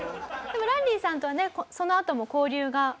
でもランディさんとはねそのあとも交流が。